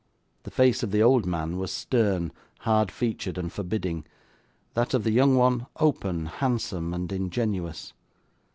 The face of the old man was stern, hard featured, and forbidding; that of the young one, open, handsome, and ingenuous.